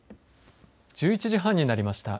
１１時半になりました。